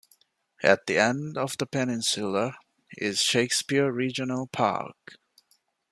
At the end of the peninsula is Shakespear Regional Park.